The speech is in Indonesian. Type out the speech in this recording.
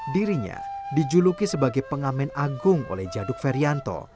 dirinya dijuluki sebagai pengamen agung oleh jaduk ferianto